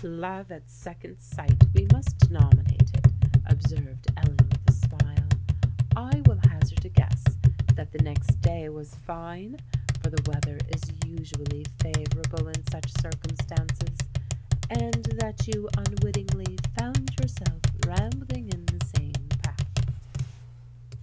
"Love at second sight, we must denominate it," observed Ellen, with a smile. "I will hazard a guess that the next day was fine,—for the weather is usually favourable in such circumstances,—and that you unwittingly found yourself rambling in the same path."